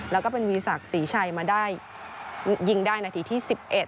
แล้วก็เป็นวีสักสีชัยยิงได้นาทีที่๑๑